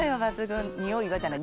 「においは」じゃない。